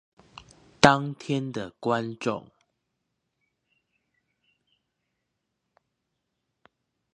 當天的觀眾